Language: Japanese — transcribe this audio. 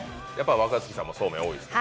若槻さんもそうめん多いですか？